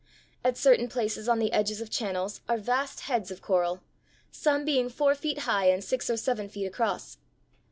At certain places on the edges of channels are vast heads of coral (Fig. 37), some being four feet high and six or seven feet across.